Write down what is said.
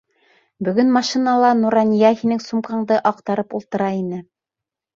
Бөгөн машинала Нурания һинең сумкаңды аҡтарып ултыра ине.